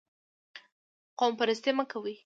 قوم پرستي مه کوئ